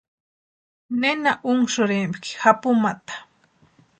¿Nena únhasïrempki japumata?